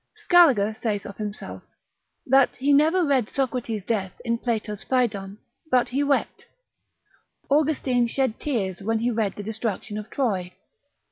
Scaliger saith of himself, that he never read Socrates' death, in Plato's Phaedon, but he wept: Austin shed tears when he read the destruction of Troy.